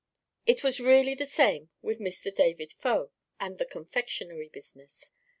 It was really the same with Mr. David Faux and the confectionery business.